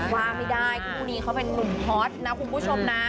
ว่าไม่ได้คู่นี้เขาเป็นนุ่มฮอตนะคุณผู้ชมนะ